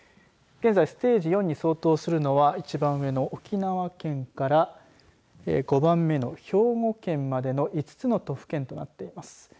現在ステージ４に相当するのは一番上の沖縄県から５番目の兵庫県までの５つの都府県となっています。